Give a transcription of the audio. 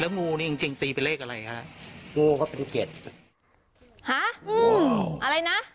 แล้วงูนี่จริงตีเป็นเลขอะไรฮะงูก็เป็นเจ็ดงูว่าวอะไรนะ